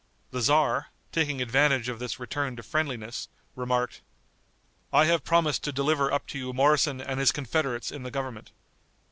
The tzar, taking advantage of this return to friendliness, remarked, "I have promised to deliver up to you Moroson and his confederates in the government.